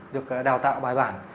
được đào tạo bài bản